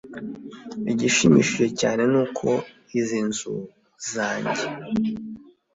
igishimishije cyane ni uko izi nzuzi zanjye